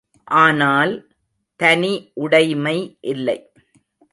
ஆனால் தனி உடைமை இல்லை.